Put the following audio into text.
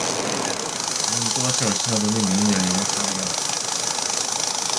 방문이 또다시 얼씬하더니 문이 열리며 선비가 나온다.